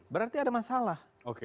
berarti ada masalah